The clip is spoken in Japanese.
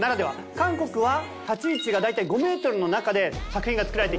韓国は立ち位置が大体５メートルの中で作品が作られていきます。